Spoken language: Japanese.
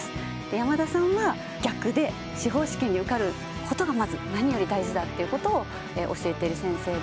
山田さんは逆で司法試験に受かることがまず何より大事だということを教えている先生で。